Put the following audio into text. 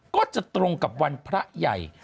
ก็จะตรงกับวันพระใหญ่